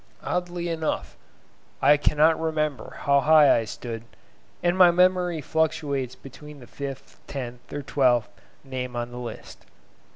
Oddly enough, I cannot remember how high I stood, and my memory fluctuates between the fifth, tenth, or twelfth, name on the list.